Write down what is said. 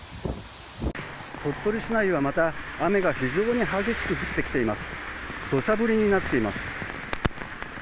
鳥取市内は、また雨が非常に激しく降ってきています。